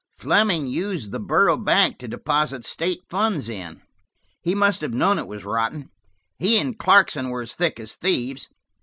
"Fleming used the Borough Bank to deposit state funds in. He must have known it was rotten: he and Clarkson were as thick as thieves.